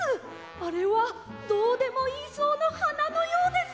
あれはドーデモイイそうのはなのようです！